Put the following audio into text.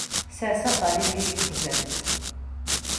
Sers abali-nni deg texzant.